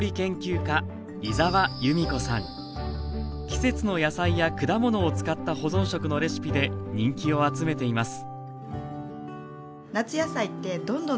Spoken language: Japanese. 季節の野菜や果物を使った保存食のレシピで人気を集めています